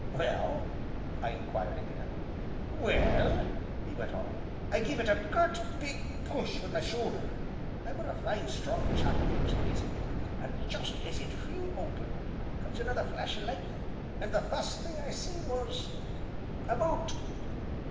"Well?" I inquired again. "Well," he went on, "I give it a gert, big push wi' my shoulder (I were a fine, strong chap in those days), an', just as it flew open, comes another flash o' lightnin', an' the fust thing I seen was a boot."